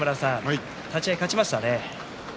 立ち合い、勝ちましたね。